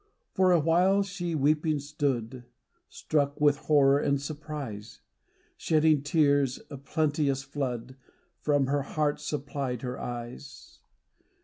For a while she weeping stood, Struck with horror and surprise, Shedding tears, a plenteous flood, For her heart supplied her eyes.